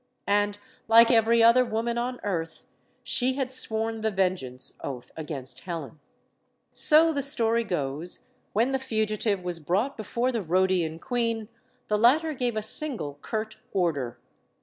And, like every other woman on earth, she had sworn the vengeance oath against Helen. So, the story goes, when the fugitive was brought before the Rhodian queen, the latter gave a single curt order.